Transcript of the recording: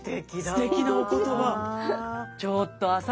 すてきなお言葉。